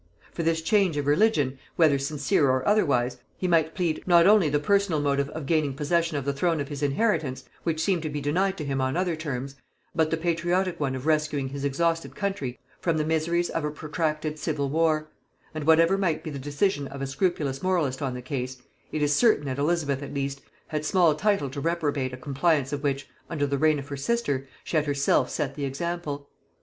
For this change of religion, whether sincere or otherwise, he might plead, not only the personal motive of gaining possession of the throne of his inheritance, which seemed to be denied to him on other terms, but the patriotic one of rescuing his exhausted country from the miseries of a protracted civil war; and whatever might be the decision of a scrupulous moralist on the case, it is certain that Elizabeth at least had small title to reprobate a compliance of which, under the reign of her sister, she had herself set the example.